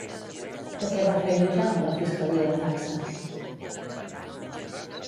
De què va feinejar a la Fiscalia de Taxes?